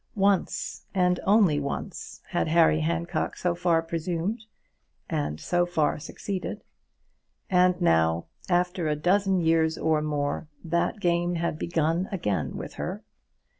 Once, and once only, had Harry Handcock so far presumed, and so far succeeded. And now, after a dozen years or more, that game had begun again with her!